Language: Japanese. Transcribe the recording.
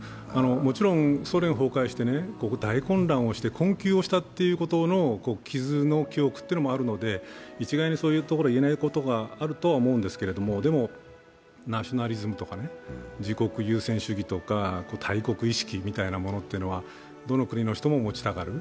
もちろんソ連崩壊して、大混乱をして困窮をしたということの傷の記憶もあるので一概にそういうとこは言えないところがあるとは思うんですけど、でも、ナショナリズムとか自国優先主義とか、大国意識みたいなものというのはどの国の人も持ちたがる。